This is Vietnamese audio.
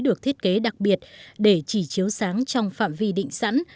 được thiết kế đặc biệt để chỉ chiếu sáng trong phạm vi định sẵn